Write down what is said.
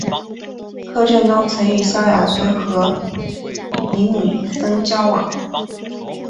柯震东曾与萧亚轩和李毓芬交往。